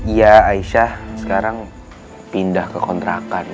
ya aisyah sekarang pindah ke kontrakan